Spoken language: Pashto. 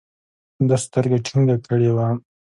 ده سترګه ټينګه کړې وه.